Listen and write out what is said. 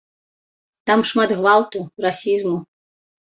Там шмат гвалту, расізму.